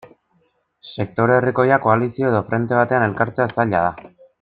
Sektore herrikoiak koalizio edo fronte batean elkartzea zaila da.